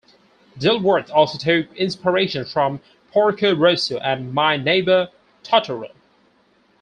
Dilworth also took inspiration from "Porco Rosso" and "My Neighbor Totoro".